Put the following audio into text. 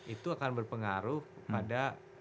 itu akan berpengaruh pada